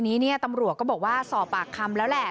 นี้เนี่ยตำรวจก็บอกว่าสอบปากคำแล้วแหละ